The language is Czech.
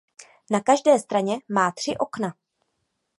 Na každé straně má tři okna.